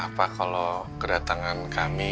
apa kalau kedatangan kami